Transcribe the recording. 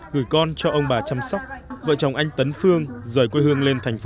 gửi con cho ông bà chăm sóc vợ chồng anh tấn phương rời quê hương lên thành phố